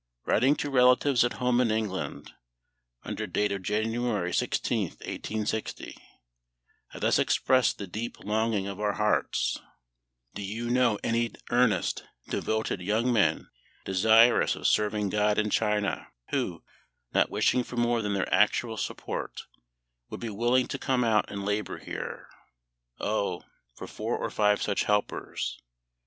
Writing to relatives at home in England, under date of January 16th, 1860, I thus expressed the deep longing of our hearts: Do you know any earnest, devoted young men desirous of serving GOD in China, who not wishing for more than their actual support would be willing to come out and labour here? Oh, for four or five such helpers!